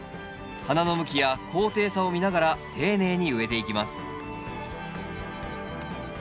花の向きや高低差を見ながら丁寧に植えていきます